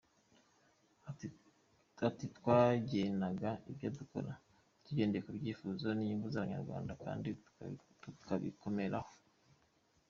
Ati “Twagenaga ibyo dukora tugendeye ku byifuzo n’inyungu z’Abanyarwanda kandi tukabikomeraho.”